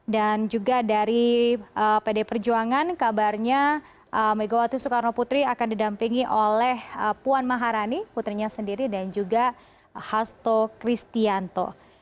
dan juga dari pd perjuangan kabarnya megawati soekarno putri akan didampingi oleh puan maharani putrinya sendiri dan juga hasto kristianto